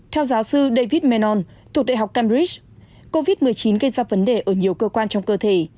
theo giáo sư david menon thuộc đại học cambridg covid một mươi chín gây ra vấn đề ở nhiều cơ quan trong cơ thể